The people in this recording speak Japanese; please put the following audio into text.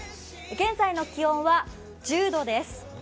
現在の気温は１０度です。